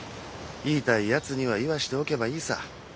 言いたいやつには言わしておけばいいさ。